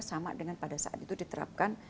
sama dengan pada saat itu diterapkan